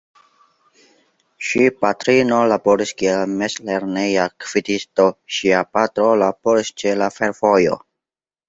Ŝi patrino laboris kiel mezlerneja gvidisto, ŝia patro laboris ĉe la fervojo.